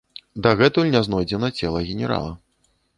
Дагэтуль не знойдзена цела генерала.